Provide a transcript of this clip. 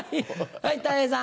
はいたい平さん。